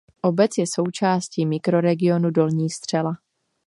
Obec je součástí Mikroregionu Dolní Střela.